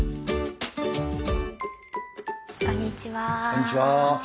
こんにちは。